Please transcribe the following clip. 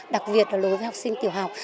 đặc biệt là đối với học sinh tiểu học